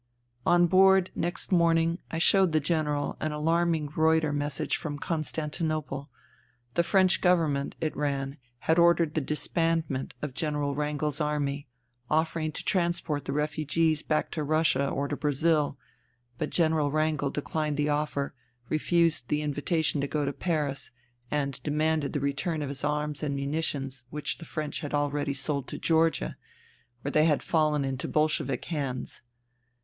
On board next morning I showed the General an alarming Renter message from Constantinople, The French Government, it ran, had ordered the disbandment of General Wrangel's Army, offering to transport the refugees back to Russia or to Brazil, but General Wrangel declined the offer, refused the invitation to go to Paris, and demanded the return NINA 281 of his arms and munitions which the French had already sold to Georgia, where they had fallen into Bolshevik hands.